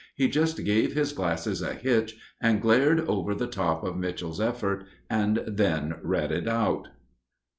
He just gave his glasses a hitch and glared over the top of Mitchell's effort and then read it out.